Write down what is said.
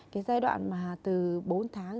cái giai đoạn mà từ bốn tháng